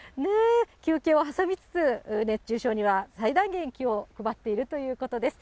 休憩を挟みつつ、熱中症には最大限気を配っているということです。